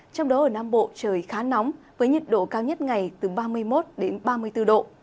trong đó ở nam bộ trời khá nóng với nhiệt độ cao nhất ngày từ ba mươi một đến ba mươi bốn độ